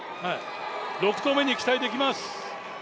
６投目に期待できます。